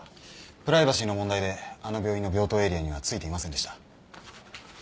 プライバシーの問題であの病院の病棟エリアには付いていませんでした。